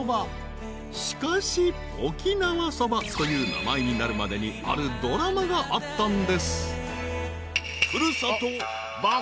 ［しかし沖縄そばという名前になるまでにあるドラマがあったんです］